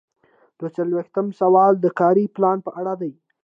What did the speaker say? دوه څلویښتم سوال د کاري پلان په اړه دی.